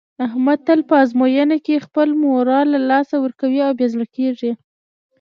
احمد تل په ازموینه کې خپل مورال له لاسه ورکوي او بې زړه کېږي.